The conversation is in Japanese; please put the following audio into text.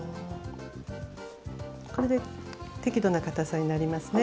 これで適度なかたさになりますね。